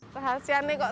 seharusnya ini sangat buker